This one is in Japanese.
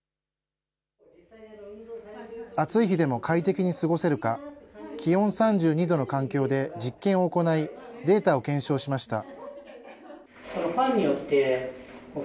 暑い日でも快適に過ごせるか、気温３２度の環境で、実験を行い、データを検証しました。